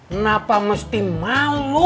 kenapa mesti malu